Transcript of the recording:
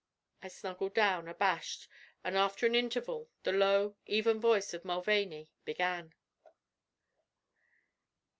I snuggled down, abashed, and after an interval the low, even voice of Mulvaney began.